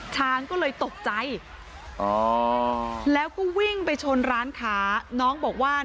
ช้างก็เลยตกใจแล้วก็วิ่งไปชนร้านค้า